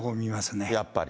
やっぱり。